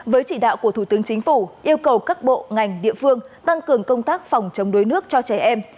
với chỉ đạo của thủ tướng chính phủ yêu cầu các bộ ngành địa phương tăng cường công tác phòng chống đuối nước cho trẻ em